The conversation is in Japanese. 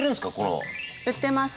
売ってます。